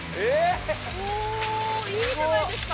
おおいいじゃないですか。